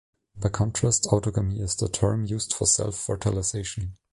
By contrast, autogamy is the term used for self-fertilization.